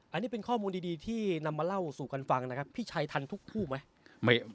อันนี้เป็นข้อมูลดีที่นำมาเล่าสู่กันฟังนะครับพี่ชัยทันทุกคู่ไหม